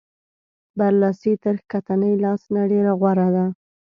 بر لاس تر ښکتني لاس نه ډېر غوره دی.